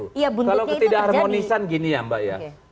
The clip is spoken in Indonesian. kalau ketidak harmonisan gini ya mbak ya